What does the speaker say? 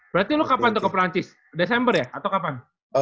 berarti lu kapan tuh ke perancis desember ya atau kapan